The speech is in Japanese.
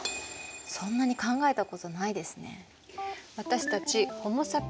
そんなに考えたことないですね。